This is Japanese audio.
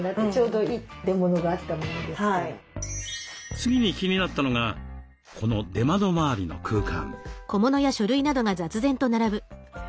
次に気になったのがこの出窓周りの空間。